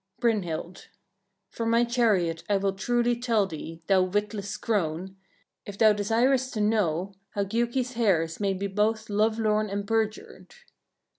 Brynhild. 5. "From my chariot I will truly tell thee, thou witless crone! if thou desirest to know, how Giuki's heirs made me both lovelorn and perjured.